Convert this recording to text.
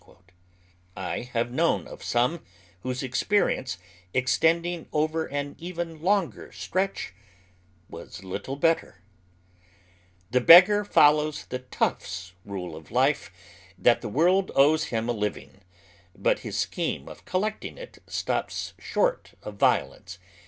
1 have known of some, whose experience, ex tending ovei' an even longer stretch, was little better. oy Google PAUPERISM IN THE TENEMENTS. 247 The beggar foliowa the "tough's" rule of life that the world owes him a living, but hia scheme of collecting it stops short of violence.